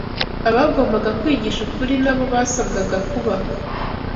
Abagombaga kwigisha ukuri nabo basabwaga kuba